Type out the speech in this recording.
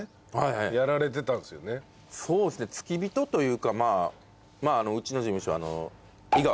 そうですね付き人というかまあうちの事務所。